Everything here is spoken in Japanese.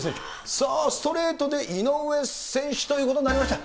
さあ、ストレートで井上選手ということになりました。